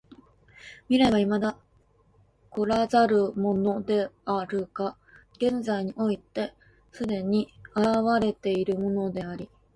未来は未だ来らざるものであるが現在において既に現れているものであり、